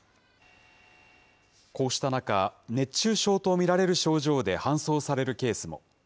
こうした中、熱中症と見られる症状で搬送されるケースも。